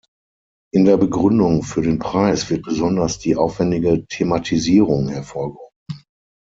In der Begründung für den Preis wird besonders die aufwendige Thematisierung hervorgehoben.